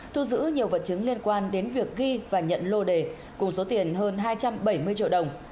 thu giữ nhiều vật chứng liên quan đến việc ghi và nhận lô đề cùng số tiền hơn hai trăm bảy mươi triệu đồng